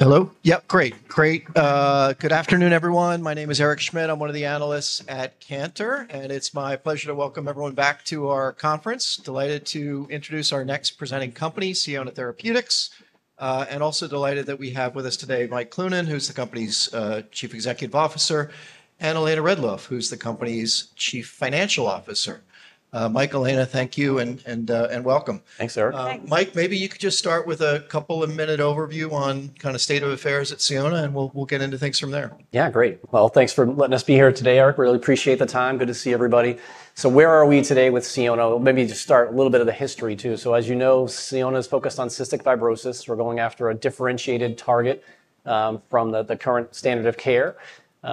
Hello? Yep, great. Great. Good afternoon, everyone. My name is Eric Schmidt. I'm one of the Analysts at Cantor, and it's my pleasure to welcome everyone back to our conference. Delighted to introduce our next presenting company, Sionna Therapeutics, and also delighted that we have with us today Mike Cloonan, who's the company's Chief Executive Officer, and Elena Ridloff, who's the company's Chief Financial Officer. Mike, Elena, thank you and welcome. Thanks, Eric. Mike, maybe you could just start with a couple of minutes overview on kind of state of affairs at Sionna, and we'll get into things from there. Yeah, great. Well, thanks for letting us be here today, Eric. Really appreciate the time. Good to see everybody. So where are we today with Sionna? Maybe just start a little bit of the history too. So, as you know, Sionna is focused on cystic fibrosis. We're going after a differentiated target from the current standard of care.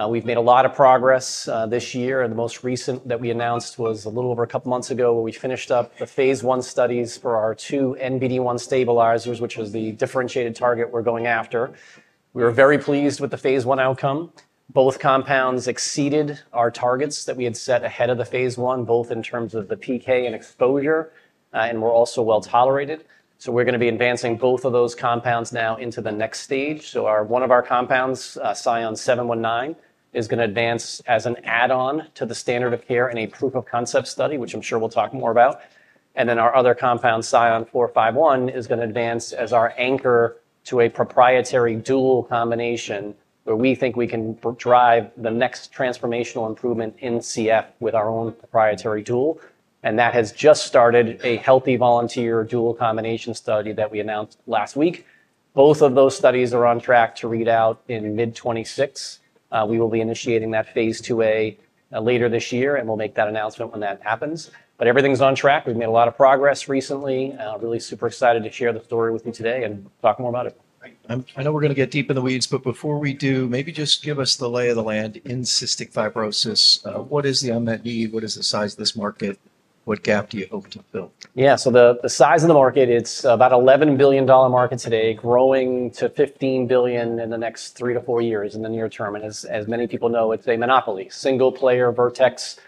We've made a lot of progress this year. The most recent that we announced was a little over a couple of months ago where we finished up the Phase 1 studies for our two NBD1 stabilizers, which was the differentiated target we're going after. We were very pleased with the Phase 1 outcome. Both compounds exceeded our targets that we had set ahead of the Phase 1, both in terms of the PK and exposure, and were also well tolerated. We're going to be advancing both of those compounds now into the next stage. One of our compounds, SION-719, is going to advance as an add-on to the standard of care in a proof of concept study, which I'm sure we'll talk more about. Our other compound, SION-451, is going to advance as our anchor to a proprietary dual combination where we think we can drive the next transformational improvement in CF with our own proprietary tool. That has just started a healthy volunteer dual combination study that we announced last week. Both of those studies are on track to read out in mid-2026. We will be initiating that Phase 2a later this year, and we'll make that announcement when that happens. Everything's on track. We've made a lot of progress recently. Really super excited to share the story with you today and talk more about it. I know we're going to get deep in the weeds, but before we do, maybe just give us the lay of the land in cystic fibrosis. What is the unmet need? What is the size of this market? What gap do you hope to fill? Yeah, so the size of the market, it's about $11 billion market today, growing to $15 billion in the next three to four years in the near term. And as many people know, it's a monopoly. Single player, Vertex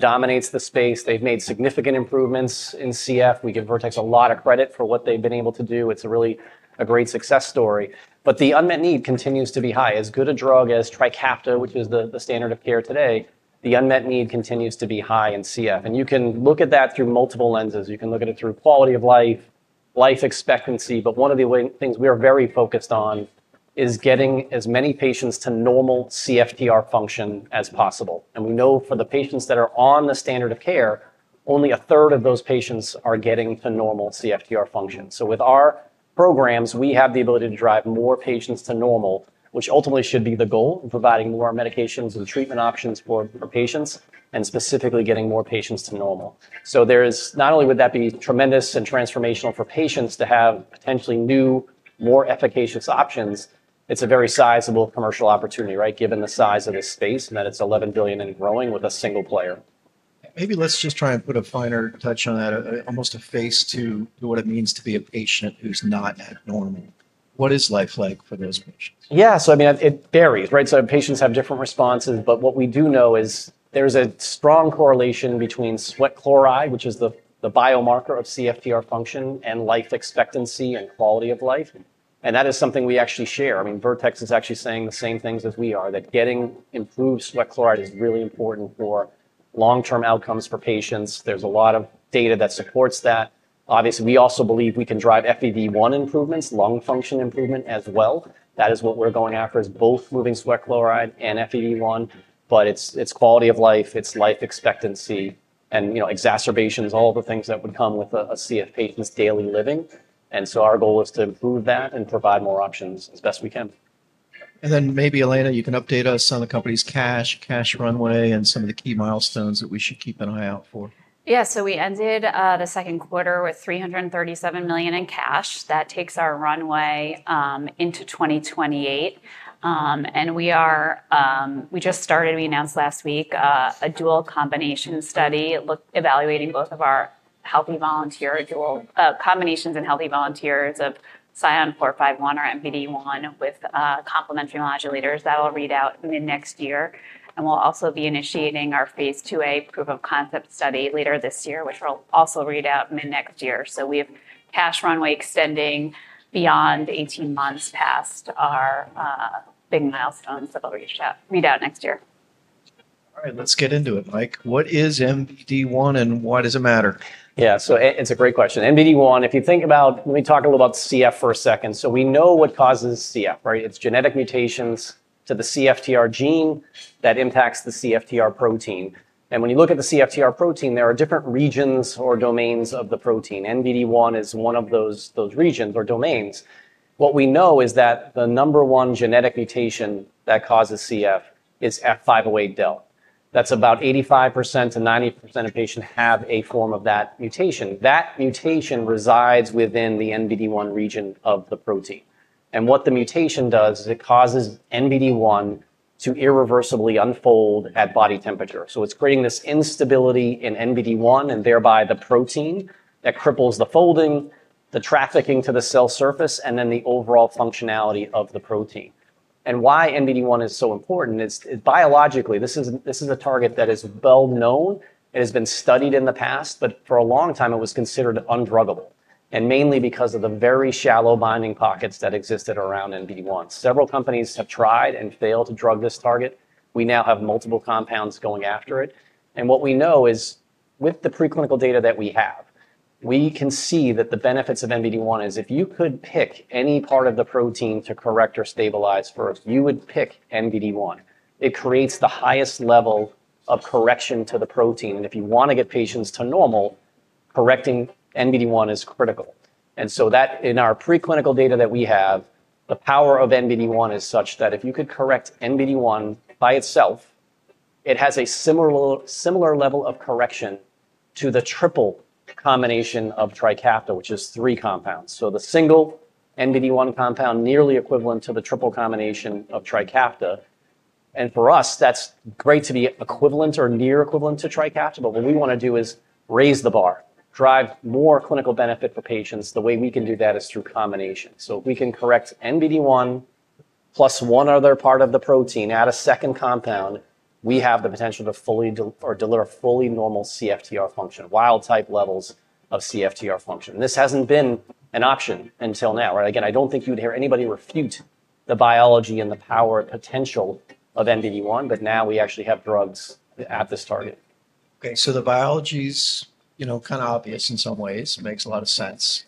dominates the space. They've made significant improvements in CF. We give Vertex a lot of credit for what they've been able to do. It's really a great success story. But the unmet need continues to be high. As good a drug as Trikafta, which is the standard of care today, the unmet need continues to be high in CF. And you can look at that through multiple lenses. You can look at it through quality of life, life expectancy. But one of the things we are very focused on is getting as many patients to normal CFTR function as possible. We know for the patients that are on the standard of care, only a third of those patients are getting to normal CFTR function, so with our programs, we have the ability to drive more patients to normal, which ultimately should be the goal of providing more medications and treatment options for patients and specifically getting more patients to normal, so not only would that be tremendous and transformational for patients to have potentially new, more efficacious options, it's a very sizable commercial opportunity, right, given the size of this space and that it's $11 billion and growing with a single player. Maybe let's just try and put a finer touch on that, almost a face to what it means to be a patient who's not at normal. What is life like for those patients? Yeah, so I mean, it varies, right? So patients have different responses, but what we do know is there's a strong correlation between sweat chloride, which is the biomarker of CFTR function, and life expectancy and quality of life. And that is something we actually share. I mean, Vertex is actually saying the same things as we are, that getting improved sweat chloride is really important for long-term outcomes for patients. There's a lot of data that supports that. Obviously, we also believe we can drive FEV1 improvements, lung function improvement as well. That is what we're going after, is both moving sweat chloride and FEV1, but it's quality of life, it's life expectancy, and exacerbations, all the things that would come with a CF patient's daily living. And so our goal is to improve that and provide more options as best we can. And then maybe, Elena, you can update us on the company's cash, cash runway, and some of the key milestones that we should keep an eye out for. Yeah, so we ended the second quarter with $337 million in cash. That takes our runway into 2028. And we just started, we announced last week, a dual combination study evaluating both of our healthy volunteer dual combinations and healthy volunteers of SION-451 or NBD1 with complementary modulators that will read out mid next year. And we'll also be initiating our Phase 2a proof of concept study later this year, which will also read out mid next year. So we have cash runway extending beyond 18 months past our big milestones that we'll reach out read out next year. All right, let's get into it, Mike. What is NBD1 and why does it matter? Yeah, so it's a great question. NBD1, if you think about, let me talk a little about CF for a second. So we know what causes CF, right? It's genetic mutations to the CFTR gene that impacts the CFTR protein. And when you look at the CFTR protein, there are different regions or domains of the protein. NBD1 is one of those regions or domains. What we know is that the number one genetic mutation that causes CF is F508del. That's about 85%-90% of patients have a form of that mutation. That mutation resides within the NBD1 region of the protein. And what the mutation does is it causes NBD1 to irreversibly unfold at body temperature. So it's creating this instability in NBD1 and thereby the protein that cripples the folding, the trafficking to the cell surface, and then the overall functionality of the protein. Why NBD1 is so important is biologically, this is a target that is well known. It has been studied in the past, but for a long time, it was considered undruggable, and mainly because of the very shallow binding pockets that existed around NBD1. Several companies have tried and failed to drug this target. We now have multiple compounds going after it. What we know is with the preclinical data that we have, we can see that the benefits of NBD1 is if you could pick any part of the protein to correct or stabilize first, you would pick NBD1. It creates the highest level of correction to the protein. If you want to get patients to normal, correcting NBD1 is critical. And so, in our preclinical data that we have, the power of NBD1 is such that if you could correct NBD1 by itself, it has a similar level of correction to the triple combination of Trikafta, which is three compounds. So the single NBD1 compound, nearly equivalent to the triple combination of Trikafta. And for us, that's great to be equivalent or near equivalent to Trikafta, but what we want to do is raise the bar, drive more clinical benefit for patients. The way we can do that is through combination. So if we can correct NBD1 plus one other part of the protein, add a second compound, we have the potential to fully or deliver fully normal CFTR function, wild type levels of CFTR function. This hasn't been an option until now, right? Again, I don't think you'd hear anybody refute the biology and the power potential of NBD1, but now we actually have drugs at this target. Okay, so the biology is kind of obvious in some ways. It makes a lot of sense.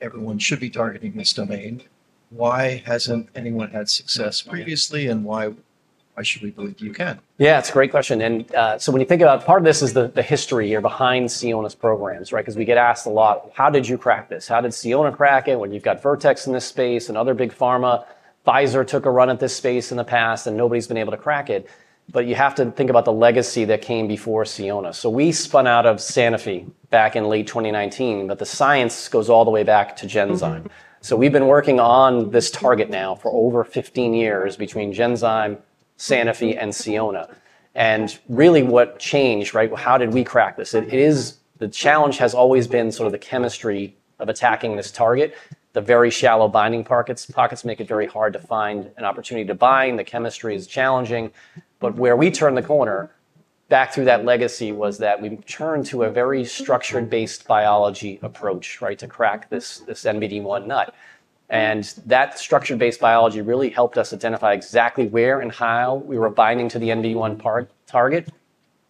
Everyone should be targeting this domain. Why hasn't anyone had success previously and why should we believe you can? Yeah, it's a great question, and so when you think about part of this is the history here behind Sionna's programs, right? Because we get asked a lot, how did you crack this? How did Sionna crack it when you've got Vertex in this space and other big pharma? Pfizer took a run at this space in the past and nobody's been able to crack it, but you have to think about the legacy that came before Sionna, so we spun out of Sanofi back in late 2019, but the science goes all the way back to Genzyme. So we've been working on this target now for over 15 years between Genzyme, Sanofi, and Sionna, and really what changed, right? How did we crack this? The challenge has always been sort of the chemistry of attacking this target. The very shallow binding pockets make it very hard to find an opportunity to bind. The chemistry is challenging. But where we turned the corner back through that legacy was that we turned to a very structure-based biology approach, right, to crack this NBD1 nut. And that structure-based biology really helped us identify exactly where and how we were binding to the NBD1 target.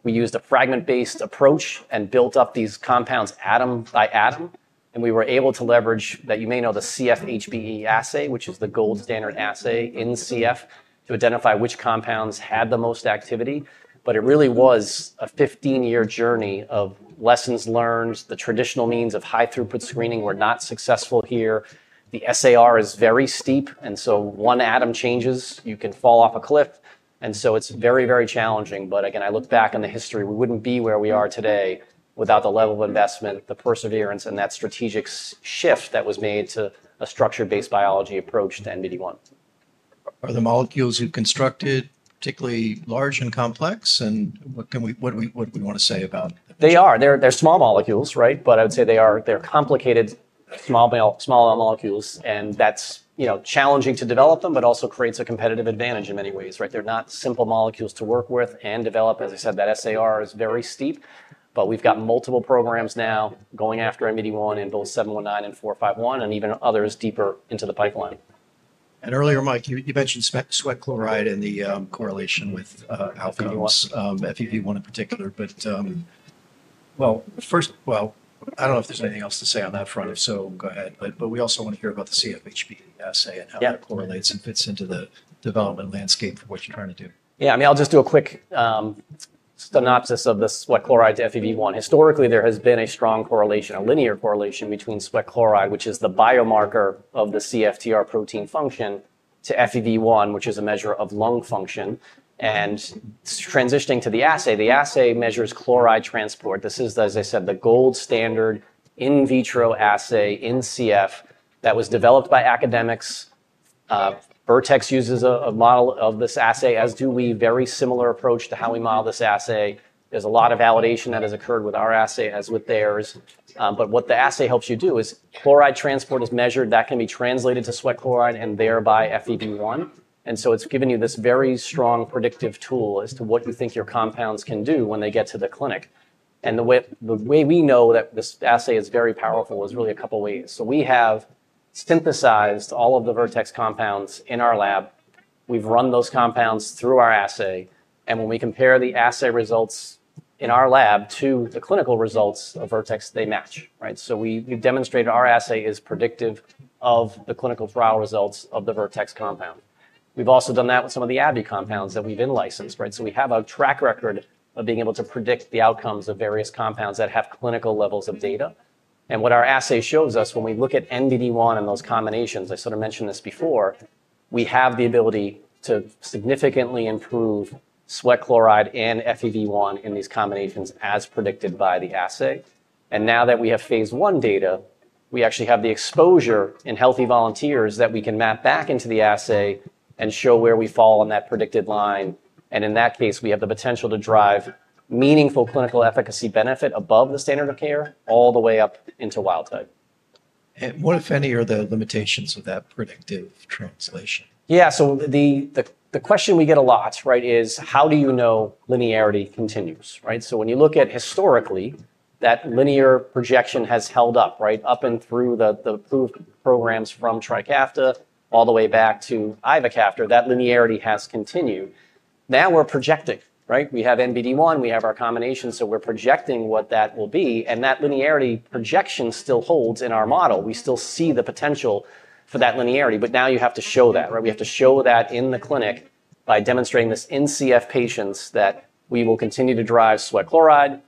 We used a fragment-based approach and built up these compounds atom by atom. And we were able to leverage that you may know the CF HBE assay, which is the gold standard assay in CF, to identify which compounds had the most activity. But it really was a 15-year journey of lessons learned. The traditional means of high throughput screening were not successful here. The SAR is very steep. And so one atom changes, you can fall off a cliff. And so it's very, very challenging. But again, I look back on the history, we wouldn't be where we are today without the level of investment, the perseverance, and that strategic shift that was made to a structure-based biology approach to NBD1. Are the molecules you've constructed particularly large and complex, and what do we want to say about them? They are. They're small molecules, right? But I would say they're complicated, small molecules. And that's challenging to develop them, but also creates a competitive advantage in many ways, right? They're not simple molecules to work with and develop. As I said, that SAR is very steep. But we've got multiple programs now going after NBD1 in both 719 and 451 and even others deeper into the pipeline. Earlier, Mike, you mentioned sweat chloride and the correlation with absolute FEV1 in particular, but well, first, well, I don't know if there's anything else to say on that front, if so, go ahead. But we also want to hear about the CF HBE assay and how that correlates and fits into the development landscape for what you're trying to do. Yeah, I mean, I'll just do a quick synopsis of the sweat chloride to FEV1. Historically, there has been a strong correlation, a linear correlation between sweat chloride, which is the biomarker of the CFTR protein function, to FEV1, which is a measure of lung function. And transitioning to the assay, the assay measures chloride transport. This is, as I said, the gold standard in vitro assay in CF that was developed by academics. Vertex uses a model of this assay, as do we, very similar approach to how we model this assay. There's a lot of validation that has occurred with our assay as with theirs. But what the assay helps you do is, chloride transport is measured. That can be translated to sweat chloride and thereby FEV1. And so it's given you this very strong predictive tool as to what you think your compounds can do when they get to the clinic. And the way we know that this assay is very powerful is really a couple of ways. So we have synthesized all of the Vertex compounds in our lab. We've run those compounds through our assay. And when we compare the assay results in our lab to the clinical results of Vertex, they match, right? So we've demonstrated our assay is predictive of the clinical trial results of the Vertex compound. We've also done that with some of the AbbVie compounds that we've in-licensed, right? So we have a track record of being able to predict the outcomes of various compounds that have clinical levels of data. What our assay shows us when we look at NBD1 and those combinations, I sort of mentioned this before, we have the ability to significantly improve sweat chloride and FEV1 in these combinations as predicted by the assay. Now that we have Phase 1 data, we actually have the exposure in healthy volunteers that we can map back into the assay and show where we fall on that predicted line. In that case, we have the potential to drive meaningful clinical efficacy benefit above the standard of care all the way up into wild type. What, if any, are the limitations of that predictive translation? Yeah, so the question we get a lot, right, is how do you know linearity continues, right? So when you look at historically, that linear projection has held up, right, up and through the proof programs from Trikafta all the way back to ivacaftor, that linearity has continued. Now we're projecting, right? We have NBD1, we have our combination, so we're projecting what that will be. And that linearity projection still holds in our model. We still see the potential for that linearity, but now you have to show that, right? We have to show that in the clinic by demonstrating this in CF patients that we will continue to drive sweat chloride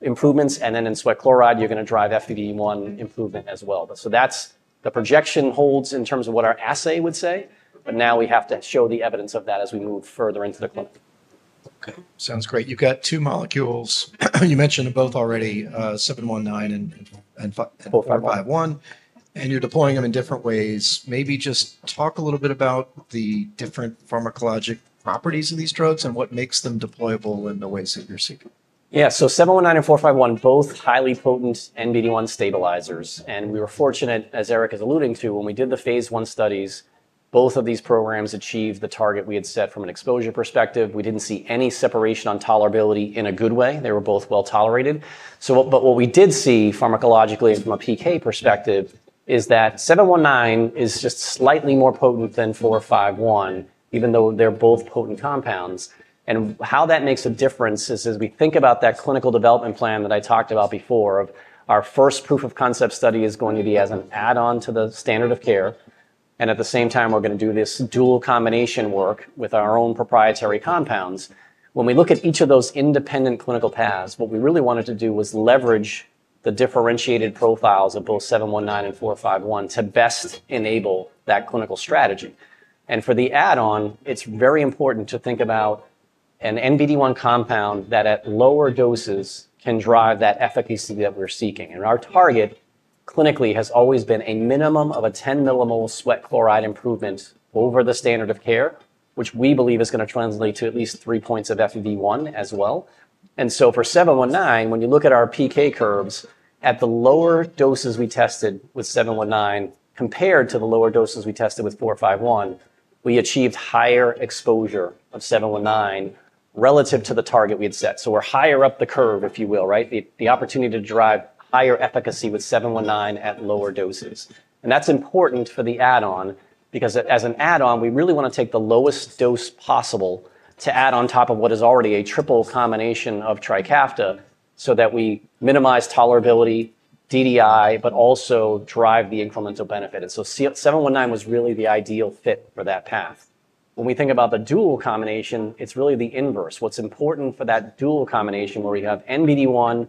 improvements, and then in sweat chloride, you're going to drive FEV1 improvement as well. So that's the projection holds in terms of what our assay would say, but now we have to show the evidence of that as we move further into the clinic. Okay, sounds great. You've got two molecules. You mentioned both already, 719 and 451, and you're deploying them in different ways. Maybe just talk a little bit about the different pharmacologic properties of these drugs and what makes them deployable in the ways that you're seeking. Yeah, so 719 and 451, both highly potent NBD1 stabilizers. And we were fortunate, as Eric is alluding to, when we did the Phase 1 studies, both of these programs achieved the target we had set from an exposure perspective. We didn't see any separation on tolerability in a good way. They were both well tolerated. But what we did see pharmacologically from a PK perspective is that 719 is just slightly more potent than 451, even though they're both potent compounds. And how that makes a difference is as we think about that clinical development plan that I talked about before, our first proof of concept study is going to be as an add-on to the standard of care. And at the same time, we're going to do this dual combination work with our own proprietary compounds. When we look at each of those independent clinical paths, what we really wanted to do was leverage the differentiated profiles of both 719 and 451 to best enable that clinical strategy. And for the add-on, it's very important to think about an NBD1 compound that at lower doses can drive that efficacy that we're seeking. And our target clinically has always been a minimum of a 10 millimole sweat chloride improvement over the standard of care, which we believe is going to translate to at least three points of FEV1 as well. And so for 719, when you look at our PK curves, at the lower doses we tested with 719 compared to the lower doses we tested with 451, we achieved higher exposure of 719 relative to the target we had set. So we're higher up the curve, if you will, right? The opportunity to drive higher efficacy with 719 at lower doses, and that's important for the add-on because as an add-on, we really want to take the lowest dose possible to add on top of what is already a triple combination of Trikafta so that we minimize tolerability, DDI, but also drive the incremental benefit, and so 719 was really the ideal fit for that path. When we think about the dual combination, it's really the inverse. What's important for that dual combination where we have NBD1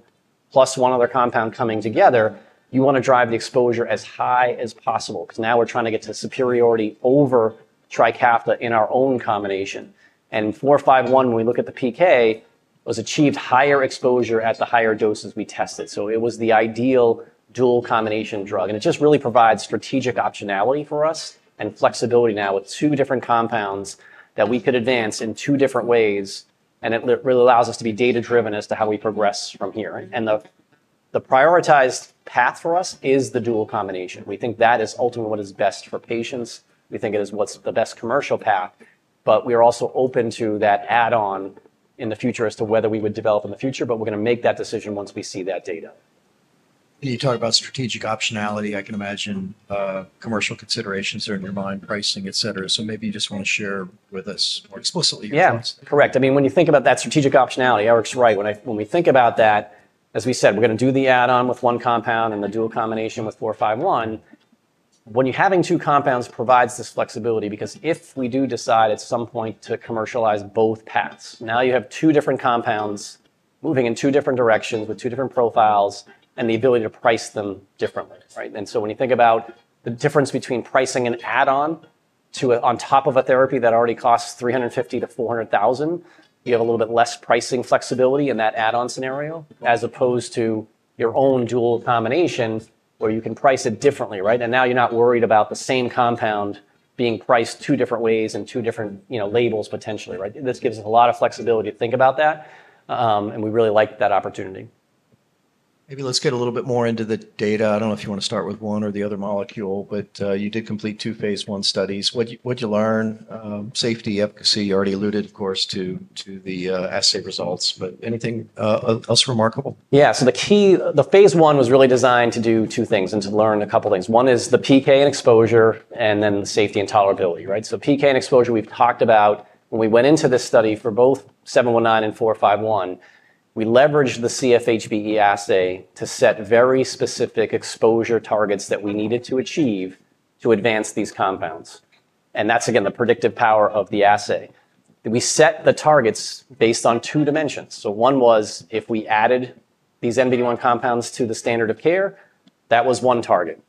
plus one other compound coming together, you want to drive the exposure as high as possible because now we're trying to get to superiority over Trikafta in our own combination, and 451, when we look at the PK, was achieved higher exposure at the higher doses we tested, so it was the ideal dual combination drug. It just really provides strategic optionality for us and flexibility now with two different compounds that we could advance in two different ways. It really allows us to be data-driven as to how we progress from here. The prioritized path for us is the dual combination. We think that is ultimately what is best for patients. We think it is what's the best commercial path. We are also open to that add-on in the future as to whether we would develop in the future, but we're going to make that decision once we see that data. You talked about strategic optionality. I can imagine commercial considerations are in your mind, pricing, etc. Maybe you just want to share with us more explicitly your thoughts. Yeah, correct. I mean, when you think about that strategic optionality, Eric's right. When we think about that, as we said, we're going to do the add-on with one compound and the dual combination with 451. When you're having two compounds provides this flexibility because if we do decide at some point to commercialize both paths, now you have two different compounds moving in two different directions with two different profiles and the ability to price them differently, right? And so when you think about the difference between pricing an add-on on top of a therapy that already costs $350,000-$400,000, you have a little bit less pricing flexibility in that add-on scenario as opposed to your own dual combination where you can price it differently, right? And now you're not worried about the same compound being priced two different ways and two different labels potentially, right? This gives us a lot of flexibility to think about that, and we really like that opportunity. Maybe let's get a little bit more into the data. I don't know if you want to start with one or the other molecule, but you did complete two Phase 1 studies. What'd you learn? Safety, efficacy, you already alluded, of course, to the assay results, but anything else remarkable? Yeah, so the Phase 1 was really designed to do two things and to learn a couple of things. One is the PK and exposure and then the safety and tolerability, right? So PK and exposure we've talked about. When we went into this study for both 719 and 451, we leveraged the CF HBE assay to set very specific exposure targets that we needed to achieve to advance these compounds. And that's, again, the predictive power of the assay. We set the targets based on two dimensions. So one was if we added these NBD1 compounds to the standard of care, that was one target.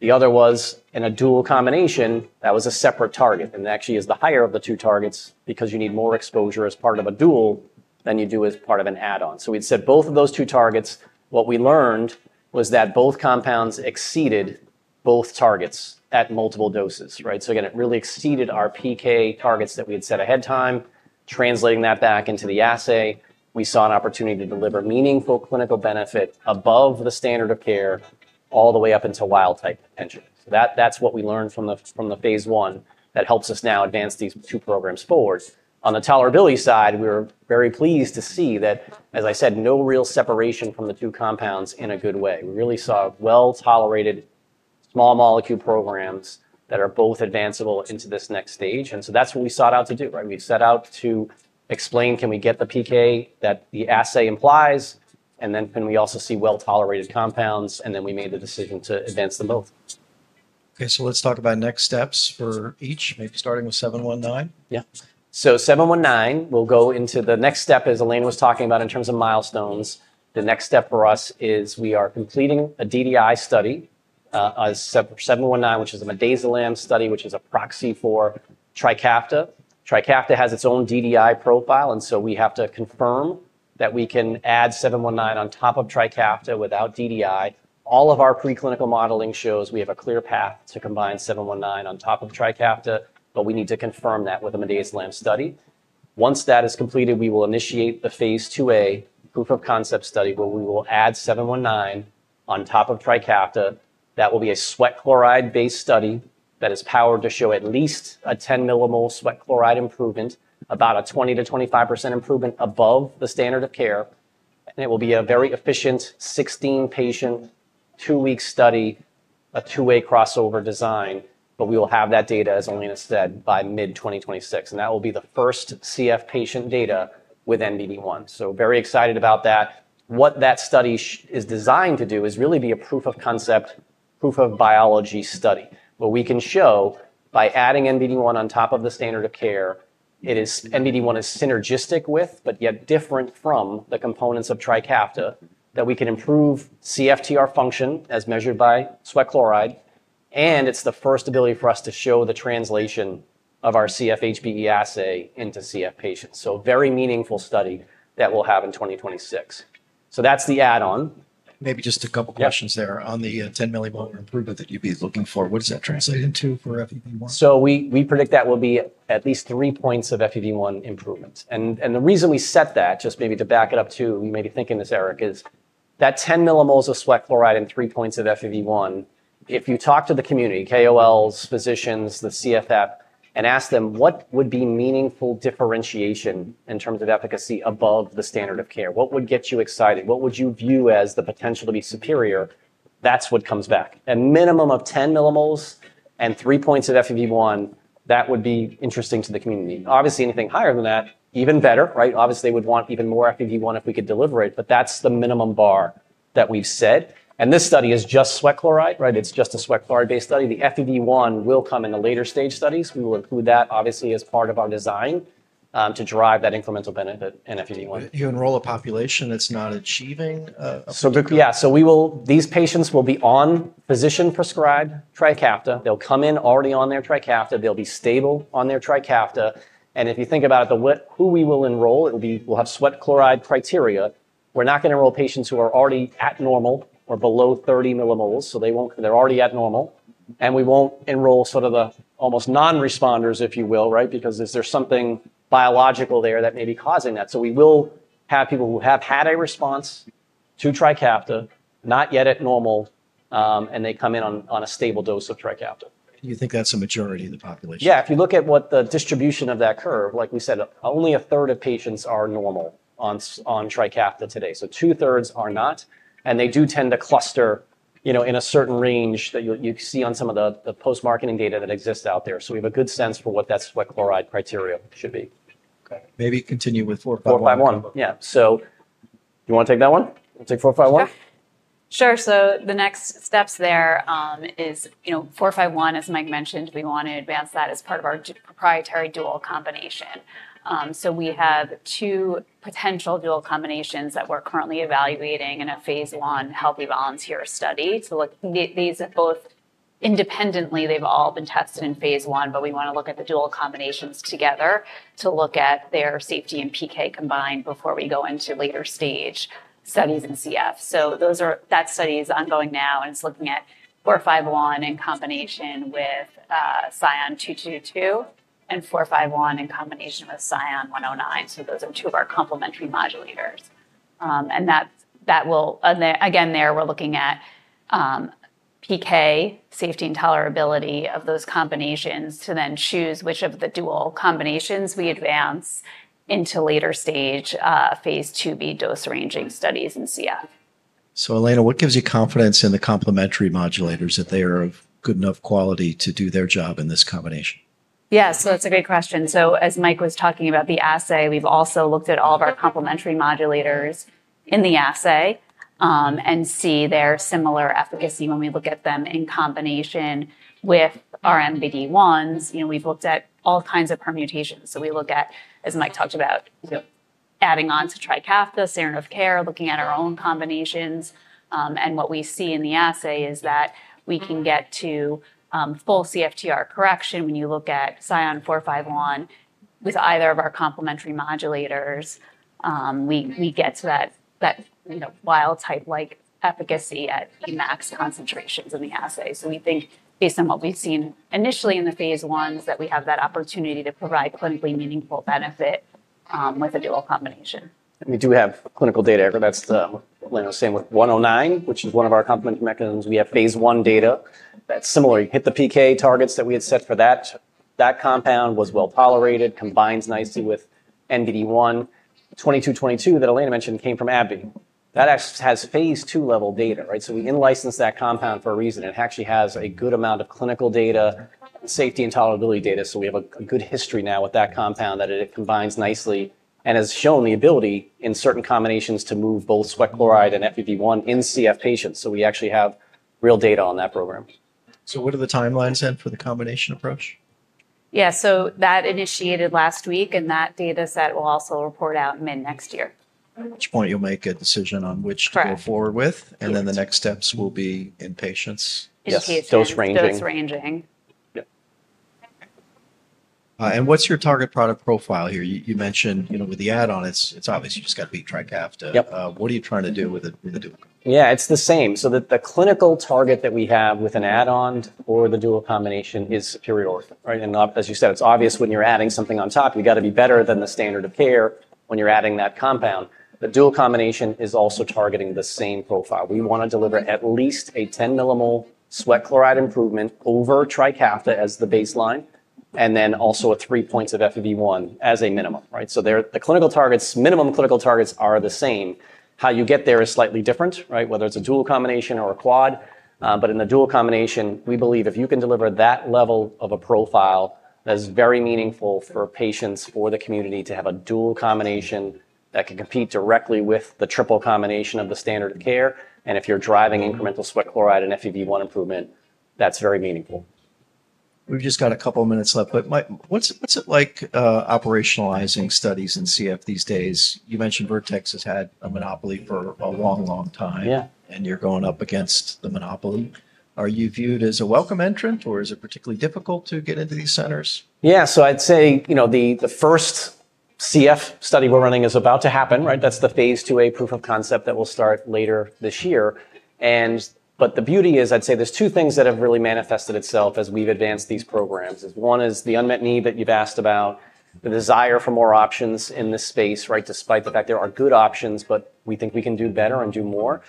The other was in a dual combination, that was a separate target. And it actually is the higher of the two targets because you need more exposure as part of a dual than you do as part of an add-on. So we'd set both of those two targets. What we learned was that both compounds exceeded both targets at multiple doses, right? So again, it really exceeded our PK targets that we had set ahead of time. Translating that back into the assay, we saw an opportunity to deliver meaningful clinical benefit above the standard of care all the way up until wild type potential. So that's what we learned from the Phase 1 that helps us now advance these two programs forward. On the tolerability side, we were very pleased to see that, as I said, no real separation from the two compounds in a good way. We really saw well-tolerated small molecule programs that are both advanceable into this next stage. And so that's what we sought out to do, right? We set out to explain, can we get the PK that the assay implies? And then, can we also see well-tolerated compounds? And then we made the decision to advance them both. Okay, so let's talk about next steps for each, maybe starting with 719. Yeah. So 719, we'll go into the next step as Elena was talking about in terms of milestones. The next step for us is we are completing a DDI study for 719, which is a midazolam study, which is a proxy for Trikafta. Trikafta has its own DDI profile. And so we have to confirm that we can add 719 on top of Trikafta without DDI. All of our preclinical modeling shows we have a clear path to combine 719 on top of Trikafta, but we need to confirm that with a midazolam study. Once that is completed, we will initiate the Phase 2a proof of concept study where we will add 719 on top of Trikafta. That will be a sweat chloride-based study that is powered to show at least a 10 millimole sweat chloride improvement, about a 20%-25% improvement above the standard of care. It will be a very efficient 16-patient, two-week study, a 2A crossover design. But we will have that data, as Elena has said, by mid-2026. And that will be the first CF patient data with NBD1. So very excited about that. What that study is designed to do is really be a proof of concept, proof of biology study where we can show by adding NBD1 on top of the standard of care, NBD1 is synergistic with, but yet different from the components of Trikafta that we can improve CFTR function as measured by sweat chloride. And it's the first ability for us to show the translation of our CF HBE assay into CF patients. So very meaningful study that we'll have in 2026. So that's the add-on. Maybe just a couple of questions there on the 10 millimole improvement that you'd be looking for. What does that translate into for FEV1? So we predict that will be at least three points of FEV1 improvement. And the reason we set that, just maybe to back it up too, you may be thinking this, Eric, is that 10 millimoles of sweat chloride and three points of FEV1, if you talk to the community, KOLs, physicians, the CFF, and ask them what would be meaningful differentiation in terms of efficacy above the standard of care, what would get you excited, what would you view as the potential to be superior, that's what comes back. A minimum of 10 millimoles and three points of FEV1, that would be interesting to the community. Obviously, anything higher than that, even better, right? Obviously, they would want even more FEV1 if we could deliver it, but that's the minimum bar that we've set. And this study is just sweat chloride, right? It's just a sweat chloride-based study. The FEV1 will come in the later stage studies. We will include that, obviously, as part of our design to drive that incremental benefit in FEV1. You enroll a population that's not achieving a proof of concept? Yeah, so these patients will be on physician-prescribed Trikafta. They'll come in already on their Trikafta. They'll be stable on their Trikafta. And if you think about it, who we will enroll, we'll have sweat chloride criteria. We're not going to enroll patients who are already at normal or below 30 millimoles. So they're already at normal. And we won't enroll sort of the almost non-responders, if you will, right? Because is there something biological there that may be causing that? So we will have people who have had a response to Trikafta, not yet at normal, and they come in on a stable dose of Trikafta. You think that's a majority of the population? Yeah, if you look at what the distribution of that curve, like we said, only a third of patients are normal on Trikafta today. So two-thirds are not. And they do tend to cluster in a certain range that you see on some of the post-marketing data that exists out there. So we have a good sense for what that sweat chloride criteria should be. Okay, maybe continue with 451. 451, yeah. So do you want to take that one? We'll take 451. Sure. So the next steps there is 451, as Mike mentioned, we want to advance that as part of our proprietary dual combination. So we have two potential dual combinations that we're currently evaluating in a phase 1 healthy volunteer study. So these are both independently, they've all been tested in phase 1, but we want to look at the dual combinations together to look at their safety and PK combined before we go into later stage studies in CF. So that study is ongoing now, and it's looking at 451 in combination with SION-2222 and 451 in combination with SION-109. So those are two of our complementary modulators. And again, there we're looking at PK, safety and tolerability of those combinations to then choose which of the dual combinations we advance into later stage Phase 2b dose ranging studies in CF. So Elena, what gives you confidence in the complementary modulators that they are of good enough quality to do their job in this combination? Yeah, so that's a great question. So as Mike was talking about the assay, we've also looked at all of our complementary modulators in the assay and see their similar efficacy when we look at them in combination with our NBD1s. We've looked at all kinds of permutations. So we look at, as Mike talked about, adding on to Trikafta, standard of care, looking at our own combinations. And what we see in the assay is that we can get to full CFTR correction when you look at SION-451 with either of our complementary modulators. We get to that wild type-like efficacy at max concentrations in the assay. So we think, based on what we've seen initially in the Phase 1s, that we have that opportunity to provide clinically meaningful benefit with a dual combination. We do have clinical data. That's the same with SION-109, which is one of our complementary mechanisms. We have Phase 1 data that's similar. You hit the PK targets that we had set for that. That compound was well tolerated, combines nicely with NBD1. SION-2222 that Elena mentioned came from AbbVie. That actually has Phase 2 level data, right? So we in-licensed that compound for a reason. It actually has a good amount of clinical data, safety and tolerability data. So we have a good history now with that compound that it combines nicely and has shown the ability in certain combinations to move both sweat chloride and FEV1 in CF patients. So we actually have real data on that program. What are the timelines then for the combination approach? Yeah, so that initiated last week, and that data set will also report out mid-next year. At which point you'll make a decision on which to go forward with, and then the next steps will be in patients. Dose ranging. Dose ranging. And what's your target product profile here? You mentioned with the add-on, it's obvious you just got to beat Trikafta. What are you trying to do with the dual? Yeah, it's the same. So the clinical target that we have with an add-on or the dual combination is superior, right? And as you said, it's obvious when you're adding something on top, you got to be better than the standard of care when you're adding that compound. The dual combination is also targeting the same profile. We want to deliver at least a 10 millimole sweat chloride improvement over Trikafta as the baseline, and then also three points of FEV1 as a minimum, right? So the clinical targets, minimum clinical targets are the same. How you get there is slightly different, right? Whether it's a dual combination or a quad. But in the dual combination, we believe if you can deliver that level of a profile, that's very meaningful for patients, for the community to have a dual combination that can compete directly with the triple combination of the standard of care. And if you're driving incremental sweat chloride and FEV1 improvement, that's very meaningful. We've just got a couple of minutes left, but Mike, what's it like operationalizing studies in CF these days? You mentioned Vertex has had a monopoly for a long, long time, and you're going up against the monopoly. Are you viewed as a welcome entrant, or is it particularly difficult to get into these centers? Yeah, so I'd say the first CF study we're running is about to happen, right? That's the Phase 2a proof of concept that will start later this year. But the beauty is, I'd say there's two things that have really manifested itself as we've advanced these programs. One is the unmet need that you've asked about, the desire for more options in this space, right? Despite the fact there are good options, but we think we can do better and do more.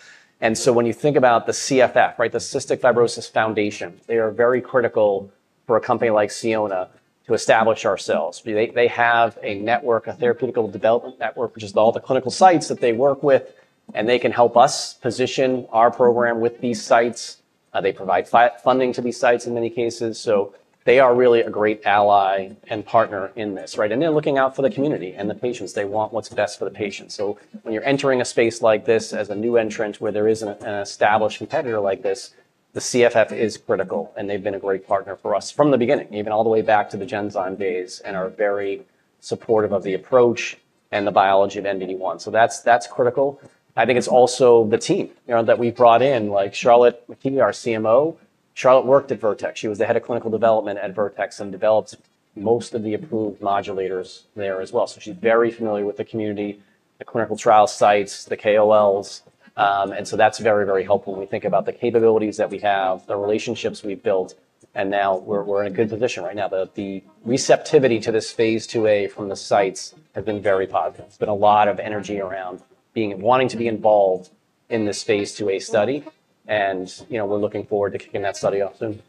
So when you think about the CFF, right, the Cystic Fibrosis Foundation, they are very critical for a company like Sionna to establish ourselves. They have a network, a Therapeutic Development Network, which is all the clinical sites that they work with, and they can help us position our program with these sites. They provide funding to these sites in many cases. So they are really a great ally and partner in this, right? And they're looking out for the community and the patients. They want what's best for the patient. So when you're entering a space like this as a new entrant where there is an established competitor like this, the CFF is critical, and they've been a great partner for us from the beginning, even all the way back to the Genzyme days and are very supportive of the approach and the biology of NBD1. So that's critical. I think it's also the team that we've brought in, like Charlotte McKee, our CMO. Charlotte worked at Vertex. She was the head of clinical development at Vertex and developed most of the approved modulators there as well. So she's very familiar with the community, the clinical trial sites, the KOLs. And so that's very, very helpful when we think about the capabilities that we have, the relationships we've built. And now we're in a good position right now. The receptivity to this Phase 2a from the sites has been very positive. There's been a lot of energy around wanting to be involved in this Phase 2a study. And we're looking forward to kicking that study off soon.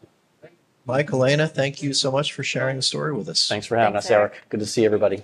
Mike, Elena, thank you so much for sharing the story with us. Thanks for having us, Eric. Good to see everybody.